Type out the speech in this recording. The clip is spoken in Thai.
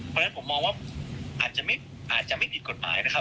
เพราะฉะนั้นผมมองว่าอาจจะไม่ผิดกฎหมายนะครับ